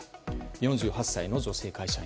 ４８歳の女性会社員。